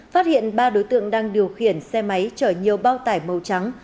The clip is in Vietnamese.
phát hiện ba đối tượng đang điều khiển xe máy chở nhiều bao tải màu trắng